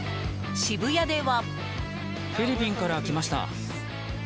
渋谷では。